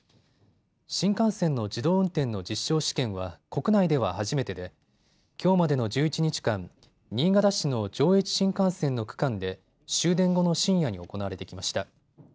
新幹線の自動運転の実証試験は国内では初めてできょうまでの１１日間、新潟市の上越新幹線の区間で終電後の深夜に行われてきました。